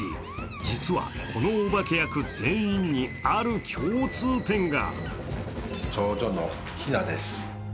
実は、このお化け役全員にある共通点が。